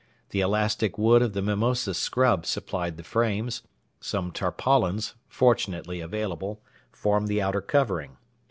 The elastic wood of the mimosa scrub supplied the frames; some tarpaulins fortunately available formed the outer covering.